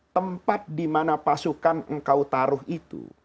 tempat dimana pasukan engkau taruh itu